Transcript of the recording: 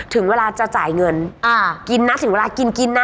ถึงเวลาจะจ่ายเงินกินนะถึงเวลากินกินนะ